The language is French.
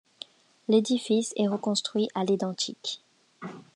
L'édifice est reconstruit à l'identique.